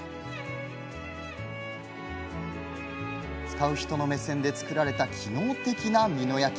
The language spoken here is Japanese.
使う人の目線で作られた機能的な美濃焼。